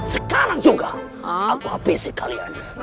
sekarang juga aku habis kalian